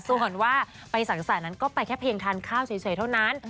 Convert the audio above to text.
ส่วนว่าไปสังสรรคนั้นก็ไปแค่เพียงทานข้าวเฉยเท่านั้น